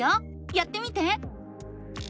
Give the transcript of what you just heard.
やってみて！